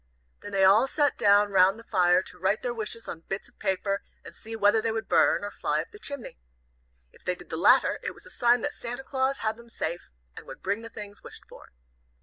Then they all sat down round the fire to write their wishes on bits of paper, and see whether they would burn, or fly up the chimney. If they did the latter, it was a sign that Santa Claus had them safe, and would bring the things wished for.